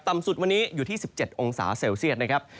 สุดวันนี้อยู่ที่๑๗องศาเซลเซียตนะครับ